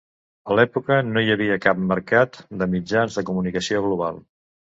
A l'època, no hi havia cap mercat de mitjans de comunicació global.